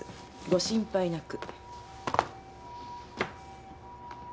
ご心配なく。